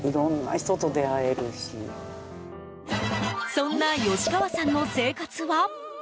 そんな吉川さんの生活は？